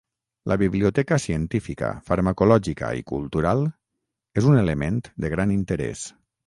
La biblioteca científica, farmacològica i cultural és un element de gran interès.